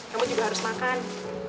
kamu juga harus makan